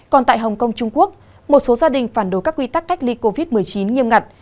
còn tại hồng kông trung quốc một số gia đình phản đối các quy tắc cách ly covid một mươi chín nghiêm ngặt